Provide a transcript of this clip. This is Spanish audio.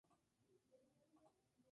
El Nawab procedió a anunciar su decisión.